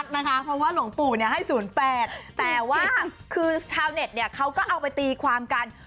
เพราะว่าหลวงปู่ให้๐๘แต่ว่าคือชาวเน็ตเขาก็เอาไปตีความกัน